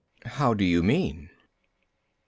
How do you mean? A.